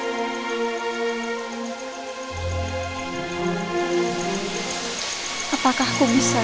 semoga actual lampunya tidak membie going to its place